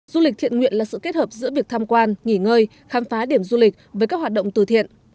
du lịch thiện nguyện là sự kết hợp giữa việc tham quan nghỉ ngơi khám phá điểm du lịch với các hoạt động từ thiện